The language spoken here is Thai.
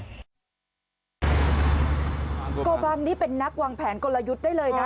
โกบังนี่เป็นนักวางแผนกลยุทธ์ได้เลยนะ